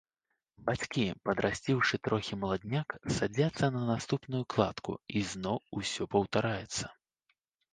Бацькі, падрасціўшы трохі маладняк, садзяцца на наступную кладку, і зноў усё паўтараецца.